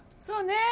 そうね。